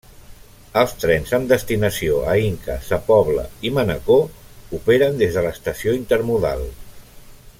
Els trens amb destinació a Inca, Sa Pobla i Manacor operen des de l'Estació Intermodal.